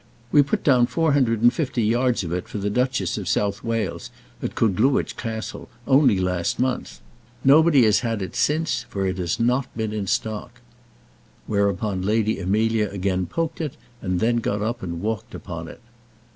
We put down four hundred and fifty yards of it for the Duchess of South Wales, at Cwddglwlch Castle, only last month. Nobody has had it since, for it has not been in stock." Whereupon Lady Amelia again poked it, and then got up and walked upon it.